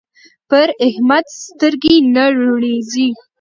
پر احمد سترګې نه روڼېږي.